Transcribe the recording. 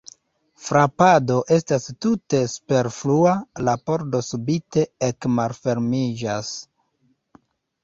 Frapado estas tute superflua, la pordo subite ekmalfermiĝas.